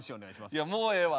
いやもうええわ。